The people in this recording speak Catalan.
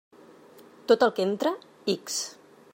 Tot el que entra, ix.